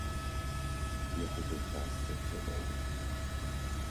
Як у той казцы ўсё роўна.